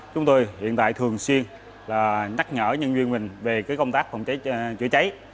chúng tôi hiện tại thường xuyên nhắc nhở nhân viên mình về công tác phòng cháy chữa cháy